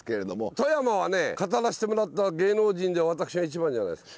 富山はね語らしてもらったら芸能人で私が一番じゃないですか？